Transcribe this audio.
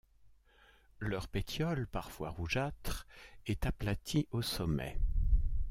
Leur pétiole, parfois rougeâtre, est aplati au sommet.